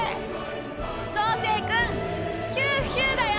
昴生君ヒューヒューだよ！